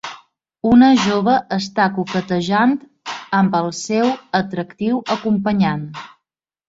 Una jove està coquetejant amb el seu atractiu acompanyant.